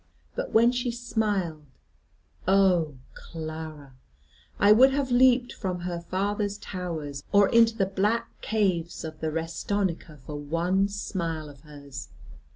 But when she smiled oh, Clara, I would have leaped from her father's tower, or into the black caves of the Restonica, for one smile of hers.